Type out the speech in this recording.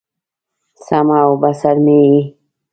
سمع او بصر مې یې